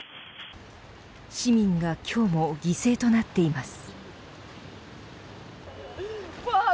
市民が今日も犠牲となっています。